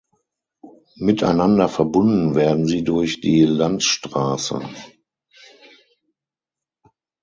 Miteinander verbunden werden sie durch die Landstrasse.